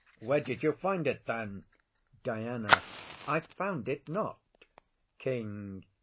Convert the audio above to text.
Where did you find it then? DIANA. I found it not. KING.